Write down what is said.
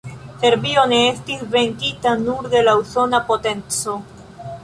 Serbio ne estis venkita nur de la usona potenco.